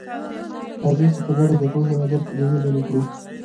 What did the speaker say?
راځئ چې په ګډه د پوهې او ادب ډېوې بلې کړو.